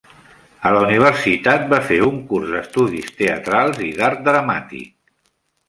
A la universitat va fer un curs d'Estudis Teatrals i d'Art Dramàtic.